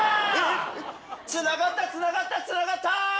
つながったつながったつながった！